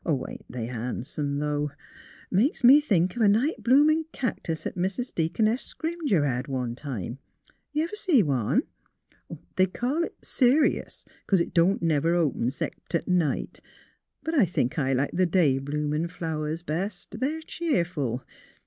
Ain't they han'some though? Makes me think of a night bloomin' cactus 'at Mis' Dea coness Scrimger lied one time. Ever see one? They call it Serious 'cause it don't never open 'xcept at night. But I think I like the day bloomin' flowers best. They're cheerful.